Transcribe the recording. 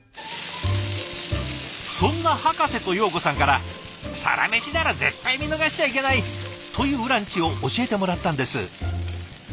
そんなハカセとヨーコさんから「サラメシ」なら絶対見逃しちゃいけない！というランチを教えてもらったんです。